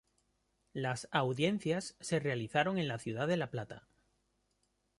Las audiencias se realizaron en la ciudad de La Plata.